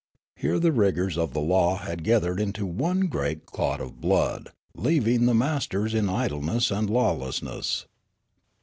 Here the rigours of the law had gathered into one great clot of blood, leaving the masters in idleness and law lessness.